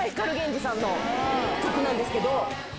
光ＧＥＮＪＩさんの曲なんです。